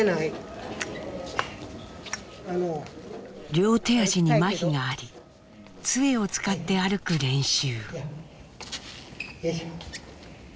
両手足にまひがありつえを使って歩く練習。